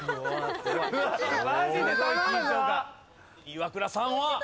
イワクラさんは？